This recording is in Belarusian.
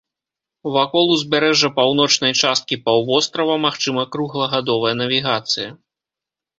Вакол узбярэжжа паўночнай часткі паўвострава магчыма круглагадовая навігацыя.